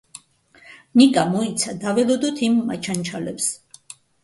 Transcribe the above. ნიკა, მოიცა, დაველოდოთ იმ მაჩანჩალებს.